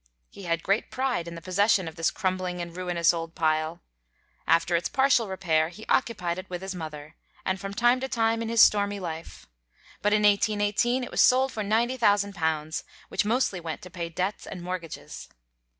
He had great pride in the possession of this crumbling and ruinous old pile. After its partial repair he occupied it with his mother, and from time to time in his stormy life; but in 1818 it was sold for £90,000, which mostly went to pay debts and mortgages.